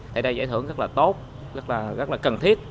tại đây giải thưởng rất là tốt rất là cần thiết